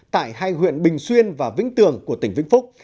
tại hai huyện bình xuyên và vĩnh tường của tỉnh vĩnh phúc